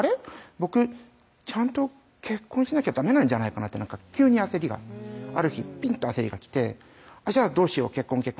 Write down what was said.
僕ちゃんと結婚しなきゃダメなんじゃないかなって急に焦りがある日ピンと焦りがきてじゃあどうしよう結婚結婚